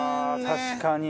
確かに。